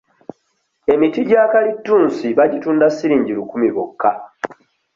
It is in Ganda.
Emiti gya kalitunsi bagitunda siringi lukumi lwokka.